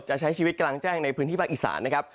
ใช้ชีวิตกลางแจ้งในพื้นที่ภาคอีสานนะครับ